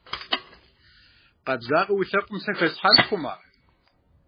Къэбзагъэу уи лъэпкъым сэ хэслъхьар пхъума?